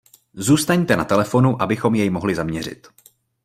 Zůstaňte na telefonu, abychom jej mohli zaměřit.